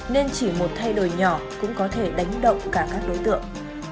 nên chỉ một thay đổi nhỏ cũng có thể đánh động cả các đối tượng